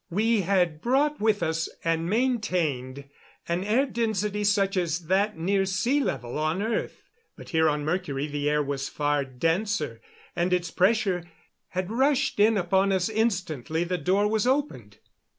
We had brought with us, and maintained, an air density such as that near sea level on earth. But here on Mercury the air was far denser, and its pressure had rushed in upon us instantly the door was opened.